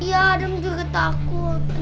iya adam juga takut